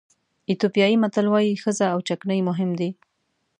ایتیوپیایي متل وایي ښځه او چکنۍ مهم دي.